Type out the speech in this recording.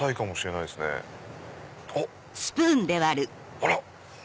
あら！